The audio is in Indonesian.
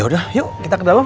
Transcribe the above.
ya udah yuk kita ke dalam